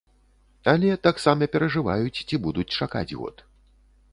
Але таксама перажываюць, ці будуць чакаць год.